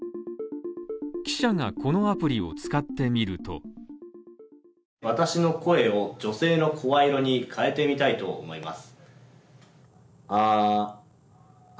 記者がこのアプリを使ってみると私の声を女性の声色に変えてみたいと思います。